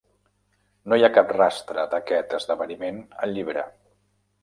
No hi ha cap rastre d'aquest esdeveniment al llibre.